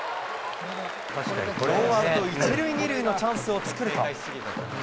ノーアウト１塁２塁のチャンスを作ると。